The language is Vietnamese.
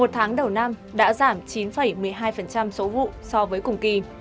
một mươi một tháng đầu năm đã giảm chín một mươi hai số vụ so với cùng kỳ